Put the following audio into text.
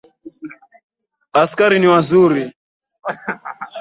Askari ni wazuri.